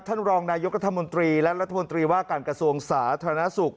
ท่านรองยกฎาธรรมนธรีและลัฐธรมนตรีว่าการกระทรวงศาสตรานสุข